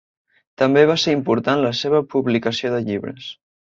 També va ser important la seva publicació de llibres.